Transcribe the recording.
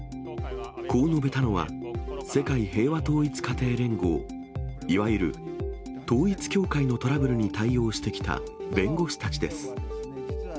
こう述べたのは、世界平和統一家庭連合、いわゆる統一教会のトラブルに対応してきた弁護士たちです。